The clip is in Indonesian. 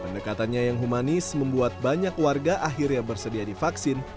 pendekatannya yang humanis membuat banyak warga akhirnya bersedia divaksin